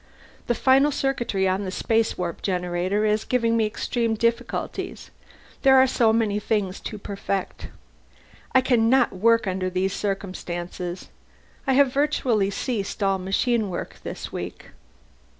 The final circuitry on the spacewarp generator is giving me extreme difficulties; there are so many things to perfect. I cannot work under these circumstances. I have virtually ceased all machine work this week."